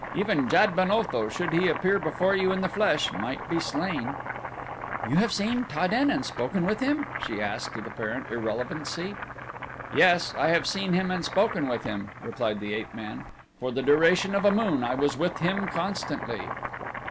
Even Jad ben Otho, should he appear before you in the flesh, might be slain." "You have seen Ta den and spoken with him?" she asked with apparent irrelevancy. "Yes, I have seen him and spoken with him," replied the ape man. "For the duration of a moon I was with him constantly."